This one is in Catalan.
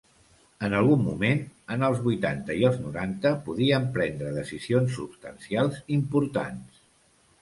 En algun moment, en els vuitanta i els noranta, podien prendre decisions substancials, importants.